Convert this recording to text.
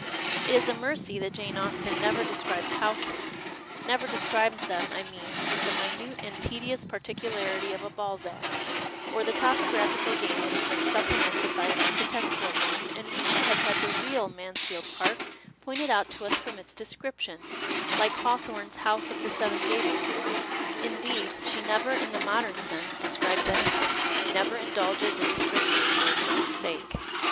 It is a mercy that Jane Austen never describes houses — never descril^cs them, I mean, with the minute (and tedious) particularity of a Balzac — or the topographical game would have been supple mented by an architectural one, and we should have had the " real '" Mansfield Park })ointed out to us from its description, like Hawthorne's House of the Seven Gables. Indeed, she never, in the modern sense, describes any tiling, never indulges in descrip tion lor its own sake.